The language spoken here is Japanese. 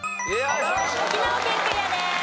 沖縄県クリアです。